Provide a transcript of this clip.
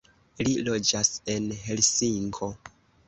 Li loĝas en Helsinko.